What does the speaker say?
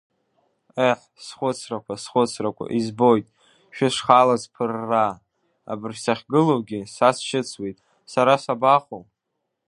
Еҳ, схәыцрақәа, схәыцрақәа, избоит шәышхалаз ԥырра, абыржә сахьгылоугь, са сшьыцуеит, сара сабаҟоу?